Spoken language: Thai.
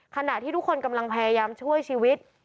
ขณะที่ทุกคนกำลังพยายามช่วยชีวิต